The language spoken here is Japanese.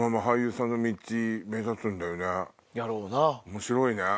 面白いね。